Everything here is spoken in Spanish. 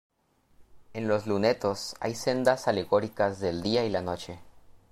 En los lunetos hay sendas alegorías del Día y la Noche.